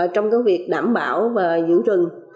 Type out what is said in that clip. trong việc đảm bảo và giữ rừng